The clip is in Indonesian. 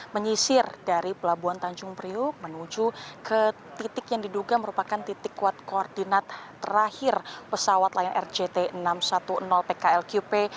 menyisir dari pelabuhan tanjung priuk menuju ke titik yang diduga merupakan titik kuat koordinat terakhir pesawat lion air jt enam ratus sepuluh pklqp